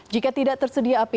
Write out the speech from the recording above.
jika tidak tersedia